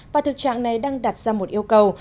và thực trạng này đang đặt ra một yêu cầu